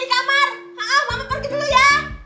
mama pergi dulu ya